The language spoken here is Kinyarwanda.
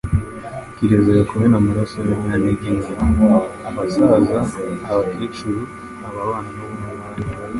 kirazira kumena amaraso y’abanyantegenke; abasaza, abakecuru, ababana n’ubumuga